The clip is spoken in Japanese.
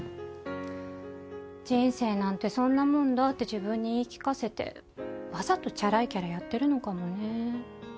人生なんてそんなもんだって自分に言い聞かせてわざとチャラいキャラやってるのかもね。